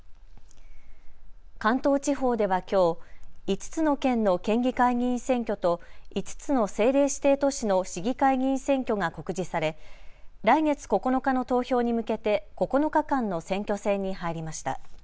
関東地方ではきょう５つの県の県議会議員選挙と５つの政令指定都市の市議会議員選挙が告示され来月９日の投票に向けて９日間の選挙戦に入りました。